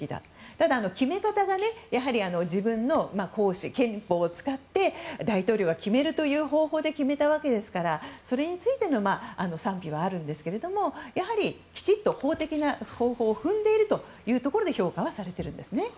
ただ、決め方が憲法を使って大統領が決めるという方法で決めたわけですからそれについての賛否はあるんですけどもやはりきちんと法的な方法を踏んでいるところで評価はされているんですね。